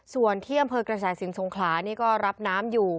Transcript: ส่วนที่อำเภอกระแสสินสงขลานี่ก็รับน้ำอยู่